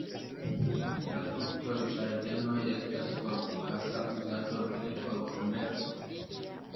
La fruktoĝardenoj estas por privata uzado; ne por komerco.